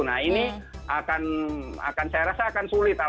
nah ini akan saya rasa akan sulit